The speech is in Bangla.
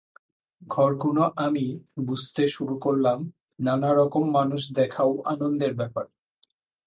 ঘরকুনো আমি বুঝতে শুরু করলাম, নানা রকম মানুষ দেখাও আনন্দের ব্যাপার।